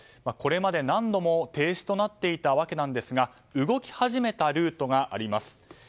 これまで何度も停止となっていたわけなんですが動き始めたルートがあります。